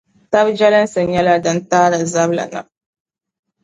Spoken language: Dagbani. Tab’ jɛlinsi nyɛla din tahiri zabili na.